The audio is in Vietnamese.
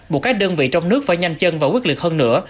buộc các đơn vị trong nước phải nhanh chân và quyết liệt hơn nữa